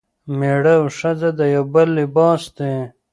میړه او ښځه د یو بل لباس دي.